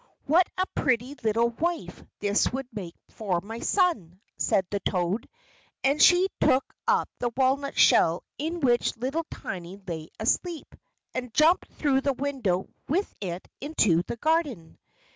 "What a pretty little wife this would make for my son!" said the toad, and she took up the walnut shell in which little Tiny lay asleep, and jumped through the window with it into the garden.